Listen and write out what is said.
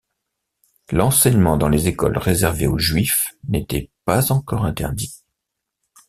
L'enseignement dans les écoles réservées aux Juifs n'était pas encore interdit.